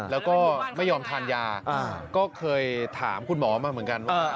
แล้วก็ไม่ยอมทานยาก็เคยถามคุณหมอมาเหมือนกันว่า